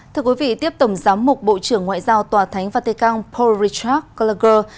thưa quý vị tiếp tổng giám mục bộ trưởng ngoại giao tòa thánh vatican paul richard gallagher